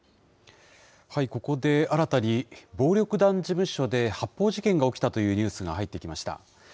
ここで、新たに暴力団事務所で発砲事件が起きたというニュースが入ってきました。